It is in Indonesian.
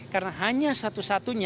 karena hanya satu satu